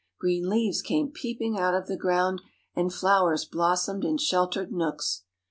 Green leaves came peeping out of the ground, and flowers blossomed in sheltered nooks.